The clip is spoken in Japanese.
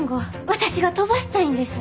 私が飛ばしたいんです。